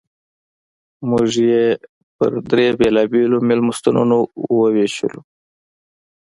موږ یې پر درې بېلابېلو مېلمستونونو ووېشل.